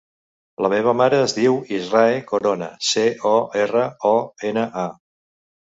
La meva mare es diu Israe Corona: ce, o, erra, o, ena, a.